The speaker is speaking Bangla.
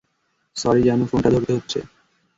সরি জানু, ফোনটা ধরতে হচ্ছে।